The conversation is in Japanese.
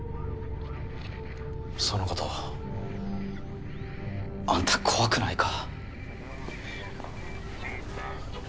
そのことあんた怖くないか？